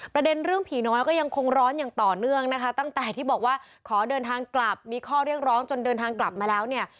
ประเด็นเรื่องผีน้อยก็ยังคงร้อนอย่างต่อเนื่องนะคะตั้งแต่ที่บอกว่าขอเดินทางกลับมีข้อเรียกร้องจนเดินทางกลับมาแล้วเนี่ย